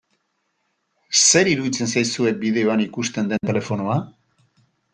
Zer iruditzen zaizue bideoan ikusten den telefonoa?